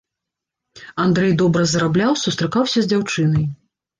Андрэй добра зарабляў, сустракаўся з дзяўчынай.